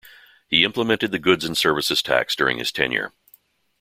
He implemented the Goods and Services Tax during his tenure.